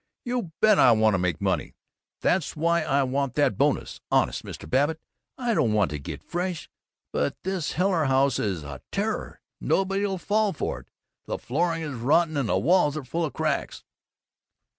"You bet I want to make money! That's why I want that bonus! Honest, Mr. Babbitt, I don't want to get fresh, but this Heiler house is a terror. Nobody'll fall for it. The flooring is rotten and the walls are full of cracks."